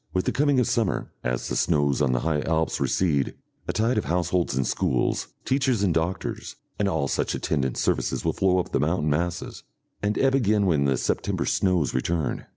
With the coming of summer, as the snows on the high Alps recede, a tide of households and schools, teachers and doctors, and all such attendant services will flow up the mountain masses, and ebb again when the September snows return.